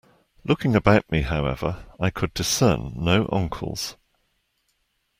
Looking about me, however, I could discern no uncles.